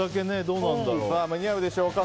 間に合うでしょうか。